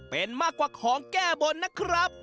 เป็นมากกว่าของแก้บนนะครับ